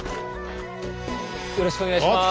よろしくお願いします。